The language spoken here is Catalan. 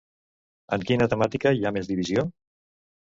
En quina temàtica hi ha més divisió?